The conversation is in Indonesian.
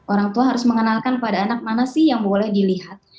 orang tua harus mengenalkan pada anak mana sih yang boleh dilihat